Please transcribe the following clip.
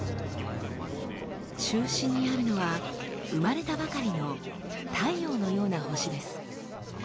中心にあるのは生まれたばかりの太陽のような星です。